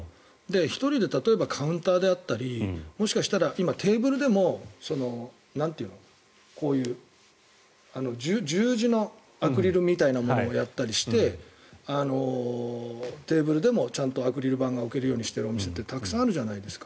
１人で例えば、カウンターであったりもしかしたら今、テーブルでも十字のアクリルみたいなものをやったりしてテーブルでもちゃんとアクリル板が置けるようにしてるお店ってたくさんあるじゃないですか。